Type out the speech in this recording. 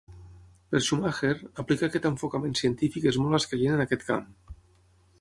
Per Schumacher, aplicar aquest enfocament científic és molt escaient en aquest camp.